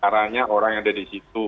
arahnya orang yang ada di situ